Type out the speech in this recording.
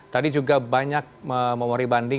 tadi juga banyak memori banding